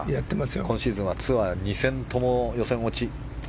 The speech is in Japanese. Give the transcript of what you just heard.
今シーズンはツアー２戦とも予選落ち。